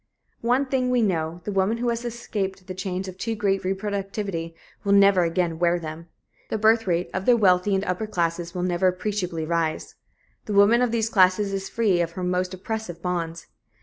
One thing we know the woman who has escaped the chains of too great reproductivity will never again wear them. The birth rate of the wealthy and upper classes will never appreciably rise. The woman of these classes is free of her most oppressive bonds.